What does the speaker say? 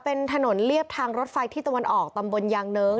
เป็นถนนเรียบทางรถไฟที่ตะวันออกตำบลยางเนิ้ง